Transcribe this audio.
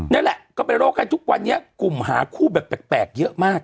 นั่นแหละก็เป็นโรคให้ทุกวันนี้กลุ่มหาคู่แบบแปลกเยอะมาก